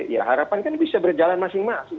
ya harapan kan bisa berjalan masing masing